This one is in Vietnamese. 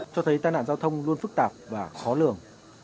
cho thấy tai nạn giao thông luôn phức tạp và khó lường